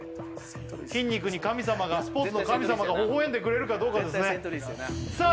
筋肉に神様がスポーツの神様がほほえんでくれるかどうかですねさあ